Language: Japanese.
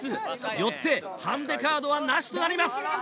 よってハンデカードはなしとなります。